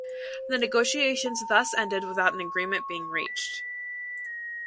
The negotiations thus ended without an agreement being reached.